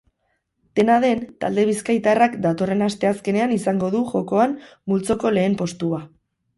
Dena den, talde bizkaitarrak datorren asteazkenean izango du jokoan multzoko lehen postua.